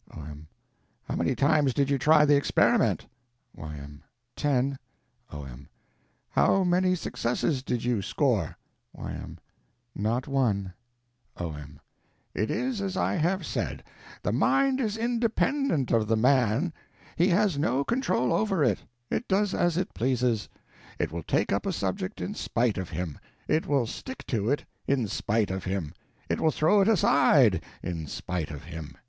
O.M. How many times did you try the experiment? Y.M. Ten. O.M. How many successes did you score? Y.M. Not one. O.M. It is as I have said: the mind is independent of the man. He has no control over it; it does as it pleases. It will take up a subject in spite of him; it will stick to it in spite of him; it will throw it aside in spite of him.